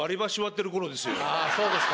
そうですか。